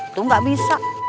itu gak bisa